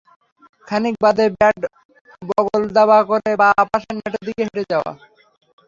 খানিক বাদে ব্যাট বগলদাবা করে বাঁ পাশের নেটের দিকে হেঁটে যাওয়া।